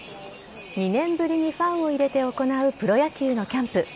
２年ぶりにファンを入れて行うプロ野球のキャンプ。